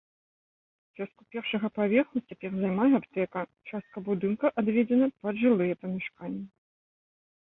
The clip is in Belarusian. Частку першага паверху цяпер займае аптэка, частка будынка адведзена пад жылыя памяшканні.